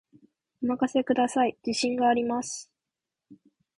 お任せください、自信があります